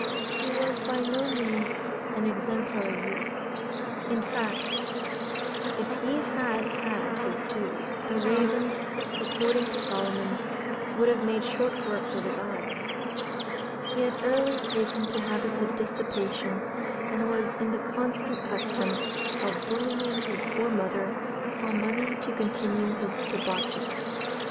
He was by no means an exemplary youth. In fact, if he had had his due, the ravens, according to Solomon, would have made short work with his eyes. He had early taken to habits of dissipation, and was in the constant custom of bullying his poor mother, for money to continue his debauches.